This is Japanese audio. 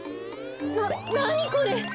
ななにこれ！？